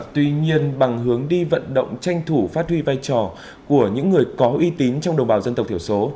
tuy nhiên bằng hướng đi vận động tranh thủ phát huy vai trò của những người có uy tín trong đồng bào dân tộc thiểu số